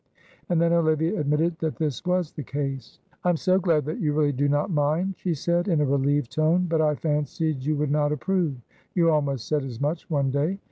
And then Olivia admitted that this was the case. "I am so glad that you really do not mind," she said, in a relieved tone; "but I fancied you would not approve. You almost said as much one day."